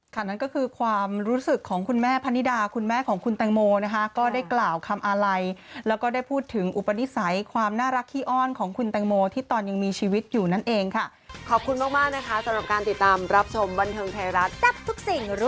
อย่าลืมกดติดตามกดไลค์กดแชร์